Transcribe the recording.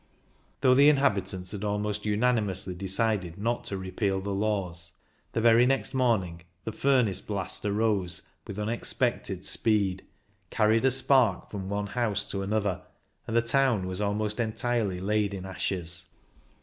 Though the inhabitants had almost unanimously decided not to repeal the laws, the very next morning the furnace blast arose with unexpected speed, carried a spark from one house to another, and the town was almost entirely laid in ashes.